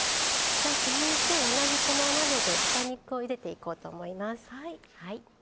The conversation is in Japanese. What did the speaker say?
では続いて同じこのお鍋で豚肉をゆでていこうと思います。